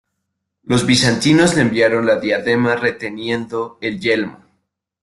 Los bizantinos le enviaron la diadema reteniendo el yelmo.